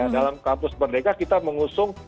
dalam kampus merdeka kita mengusung